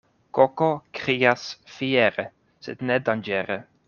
Koko krias fiere, sed ne danĝere.